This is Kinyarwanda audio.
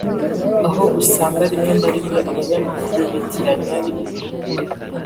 aho usanga rimwe na rimwe abanyamakuru bitiranya ibintu